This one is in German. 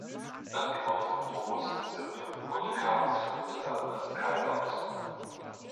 Nach dem Mord von Probus in Sirmium, wurde Carus von den Soldaten als Kaiser ausgerufen.